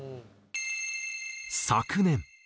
昨年。